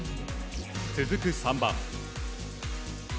続く３番。